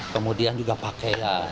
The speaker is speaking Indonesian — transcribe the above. kemudian juga pake ya